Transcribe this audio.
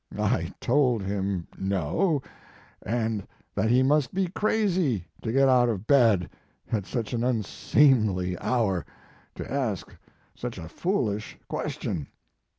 I told him no, and that he must be crazy to get out of bed at such an unseemly hour to ask such a foolish question.